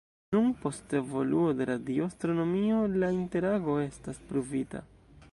Nun, post evoluo de radio-astronomio la interago estas pruvita.